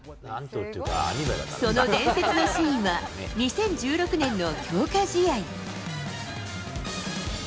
その伝説のシーンは、２０１６年の強化試合。